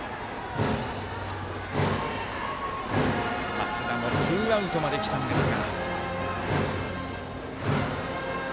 増田もツーアウトまできたんですが。